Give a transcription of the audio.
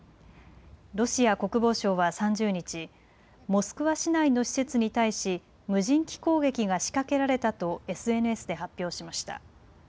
ロシア国防省は３０日、モスクワ市内の施設に対し無人機攻撃が仕掛けられたとＳＮＳで発表しました。